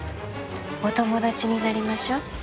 お友達になりましょう。